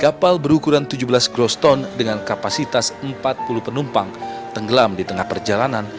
kapal berukuran tujuh belas groston dengan kapasitas empat puluh penumpang tenggelam di tengah perjalanan